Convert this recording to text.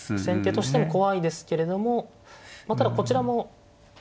先手としても怖いですけれどもまあただこちらも。